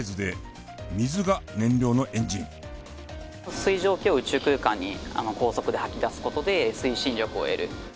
水蒸気を宇宙空間に高速で吐き出す事で推進力を得る。